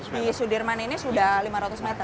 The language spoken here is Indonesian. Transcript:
di sudirman ini sudah lima ratus meter